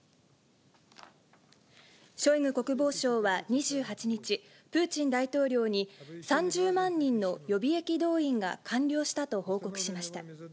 ショイグ国防相は２８日、プーチン大統領に、３０万人の予備役動員が完了したと報告しました。